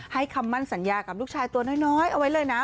คำมั่นสัญญากับลูกชายตัวน้อยเอาไว้เลยนะ